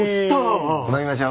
飲みましょう。